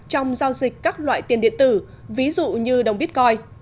trong giao dịch các loại tiền điện tử ví dụ như đồng bitcoin